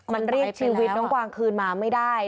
มันเรียกชีวิตน้องกวางคืนมาไม่ได้